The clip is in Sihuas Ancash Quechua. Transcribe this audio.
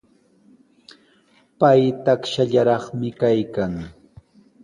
Pay takshallaraqmi kaykan.